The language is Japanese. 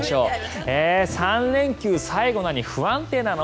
３連休最後なのに不安定なの？